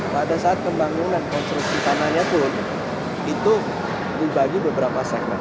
pada saat pembangunan konstruksi tanahnya pun itu dibagi beberapa segmen